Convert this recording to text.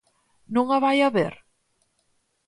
¿Non a vai haber?